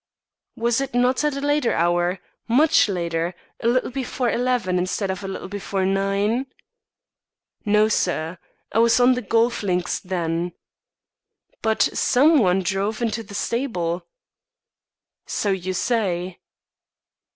"Was it not at a later hour, much later, a little before eleven instead of a little before nine?" "No, sir. I was on the golf links then." "But some one drove into the stable." "So you say."